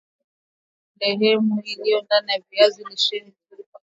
lehemu iliyo ndani ya viazi lisheni nzuri kwa afya